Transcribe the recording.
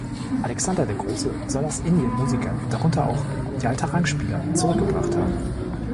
Alexander der Große soll aus Indien Musiker, darunter auch "jaltarang"-Spieler zurückgebracht haben.